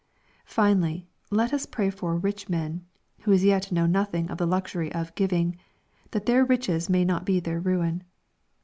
Finally, let us pray for rich men, who as yet know nothing of the luxury of " giving," that their riches may not be their ruin.